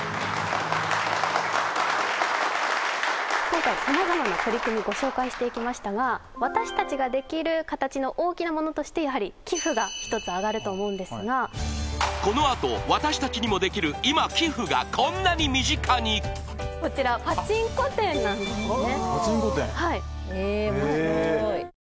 今回様々な取り組みご紹介していきましたが私たちができる形の大きなものとしてやはり寄付が一つ挙がると思うんですがこのあと私たちにもできる今こちらパチンコ店なんですね